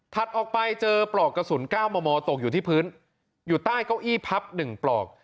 ออกไปเจอปลอกกระสุน๙มมตกอยู่ที่พื้นอยู่ใต้เก้าอี้พับ๑ปลอก